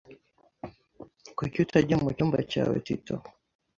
Kuki utajya mucyumba cyawe, Tito?